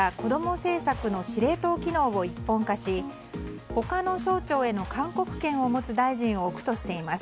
政策の司令塔機能を一本化し他の省庁への勧告権を持つ大臣を置くとしています。